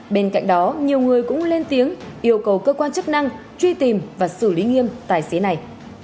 bên cạnh đó nhiều người cũng lên tiếng yêu cầu cơ quan chức năng truy tìm và xử lý nghiêm tài xế này